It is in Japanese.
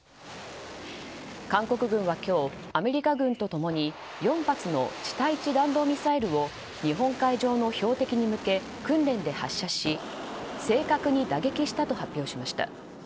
韓国軍は今日、アメリカ軍と共に４発の地対地弾道ミサイルを日本海上の標的に向け訓練で発射し正確に打撃したと発表しました。